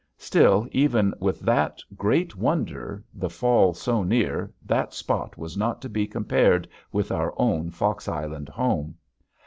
Still, even with that great wonder, the fall, so near, that spot was not to be compared with our own Fox Island home.